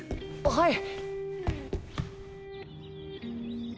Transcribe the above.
はい。